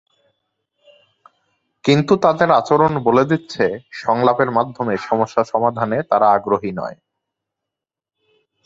কিন্তু তাদের আচরণ বলে দিচ্ছে, সংলাপের মাধ্যমে সমস্যা সমাধানে তারা আগ্রহী নয়।